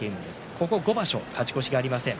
ここ５場所勝ち越しがありません。